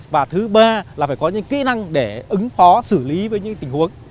và thứ ba là phải có những kỹ năng để ứng phó xử lý với những tình huống